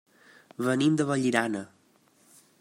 Venim de Vallirana.